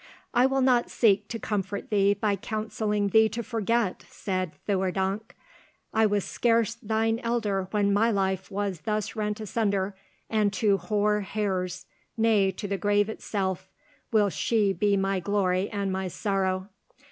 "I will not seek to comfort thee by counselling thee to forget," said Theurdank. "I was scarce thine elder when my life was thus rent asunder, and to hoar hairs, nay, to the grave itself, will she be my glory and my sorrow.